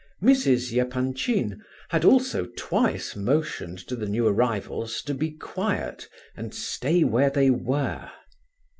Mrs. Epanchin had also twice motioned to the new arrivals to be quiet, and stay where they were.